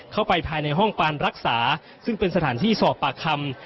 เข้าไปภายในห้องการรักษาซึ่งเป็นสถานที่สอบปากคำ